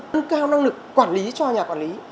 tư cao năng lực quản lý cho nhà quản lý